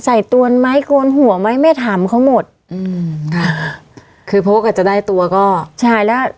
ตวนไหมโกนหัวไหมแม่ถามเขาหมดอืมค่ะคือโพสต์อ่ะจะได้ตัวก็ใช่แล้ว